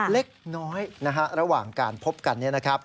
เล็กน้อยนะฮะระหว่างการพบกัน